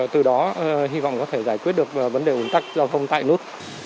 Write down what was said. từ đó hy vọng có thể giải quyết được vấn đề ủn tắc giao thông tại nút